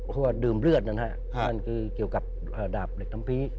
เค้ื่อว่าดื่มเลือดนะครับนั่นคือเกี่ยวกับดาบเด็กทำพี